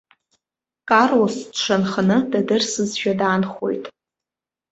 Карлос дшанханы, дадырсызшәа даанхоит.